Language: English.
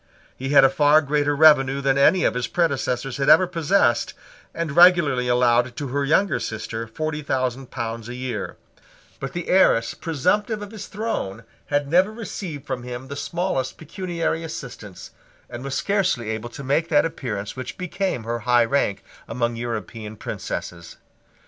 He had a far greater revenue than any of his predecessors had ever possessed, and regularly allowed to her younger sister forty thousand pounds a year: but the heiress presumptive of his throne had never received from him the smallest pecuniary assistance, and was scarcely able to make that appearance which became her high rank among European princesses.